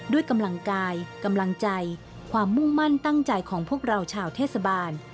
ด้วยกำลังกายกำลังใจความมุ่งมั่นตั้งใจของพวกเราชาวเทศบาล